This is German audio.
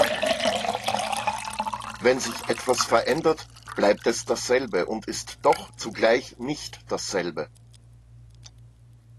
Wenn sich etwas verändert, bleibt es dasselbe und ist doch zugleich nicht dasselbe.